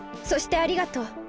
そしてありがとう。